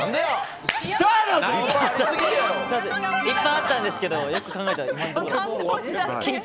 いっぱいあったんですけどよく考えたら。